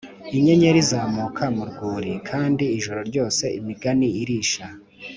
inyenyeri izamuka mu rwuri kandi ijoro ryose imigani irisha